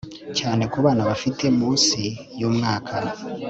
cyane ku bana bafite munsi yu myaka